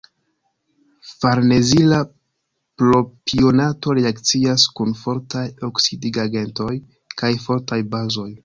Farnezila propionato reakcias kun fortaj oksidigagentoj kaj fortaj bazoj.